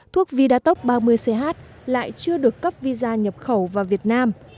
thuốc vidatok ba mươi ch lại chưa được cấp visa nhập khẩu vào việt nam